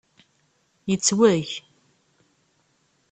Yettweg!